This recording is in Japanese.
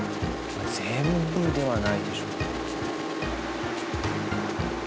全部ではないでしょ。